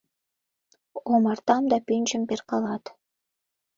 Омартам да пӱнчым перкалат.